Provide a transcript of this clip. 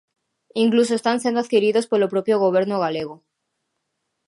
Incluso están sendo adquiridos polo propio Goberno galego.